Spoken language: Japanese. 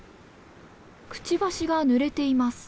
くちばしがぬれています。